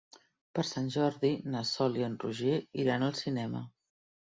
Per Sant Jordi na Sol i en Roger iran al cinema.